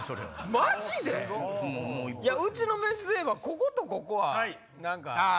マジで⁉うちのメンツでいえばこことここは何か。